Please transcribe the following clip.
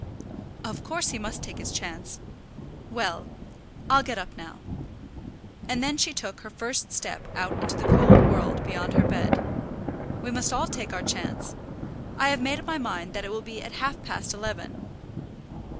"Of course he must take his chance. Well, I'll get up now." And then she took her first step out into the cold world beyond her bed. "We must all take our chance. I have made up my mind that it will be at half past eleven."